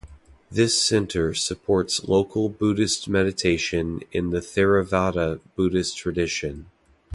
This centre supports local Buddhist meditation in the Theravada Buddhist tradition.